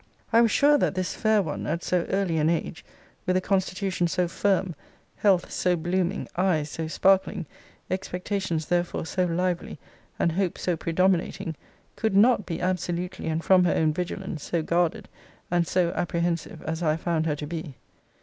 I was sure, that this fair one, at so early an age, with a constitution so firm, health so blooming, eyes so sparkling, expectations therefore so lively, and hope so predominating, could not be absolutely, and from her own vigilance, so guarded, and so apprehensive, as I have found her to be.